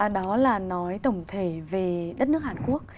đó là nói tổng thể về đất nước hàn quốc